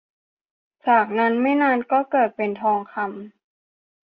จากนั้นไม่นานก็เกิดเป็นทองคำ